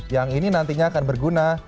yang ini nantinya akan berguna